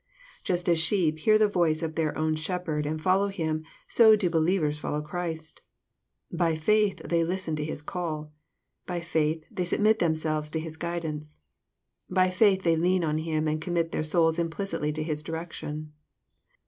Just as sheep hear the voice of their own shepherd, and follow him, so do believers follow Christ. By faith they listen to His call. By faith they submit themselves to His guidance. By faith they lean on Him, and commit their souls implicitly to His direction.